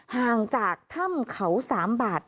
ห่างจากถ้ำเขา๓บาท